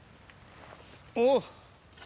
おっ！